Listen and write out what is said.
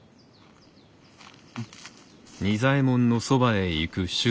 うん。